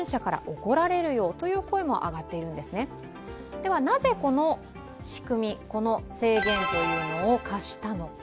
ではなぜこの仕組みこの制限というのを課したのか。